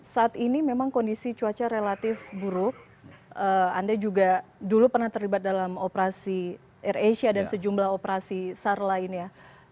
saat ini memang kondisi cuaca relatif buruk anda juga dulu pernah terlibat dalam operasi air asia dan sejumlah operasi sar lainnya